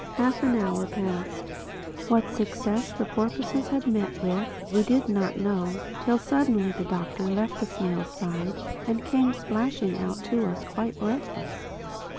Half an hour passed. What success the porpoises had met with, we did not know, till suddenly the Doctor left the snail's side and came splashing out to us, quite breathless.